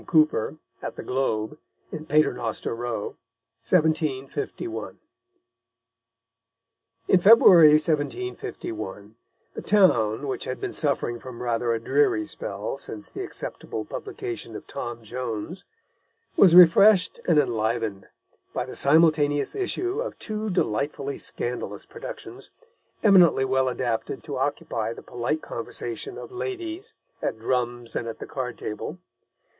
Cooper, at the Globe in Paternoster Row, MDCCLI_. In February 1751 the town, which had been suffering from rather a dreary spell since the acceptable publication of Tom Jones, was refreshed and enlivened by the simultaneous issue of two delightfully scandalous productions, eminently well adapted to occupy the polite conversation of ladies at drums and at the card table.